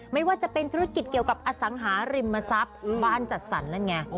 ไม่ว่าจะเป็นธุรกิจเกี่ยวกับอสังหาริมทรัพย์บ้านจัดสรรนั่นไง